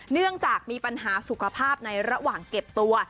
เนื่องจากมีปัญหาสุขภาพในระหว่างเก็บตัว